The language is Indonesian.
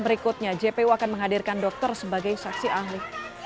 berikutnya jpu akan menghadirkan dokter sebagai saksi ahli